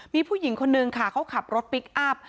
มีผู้หญิงคนนึงค่ะเขาขับรถพลิกอัพ